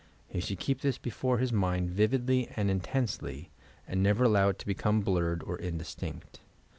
He should keep this before his mind vividly and intensely and never allow it to become blurred or indistinct.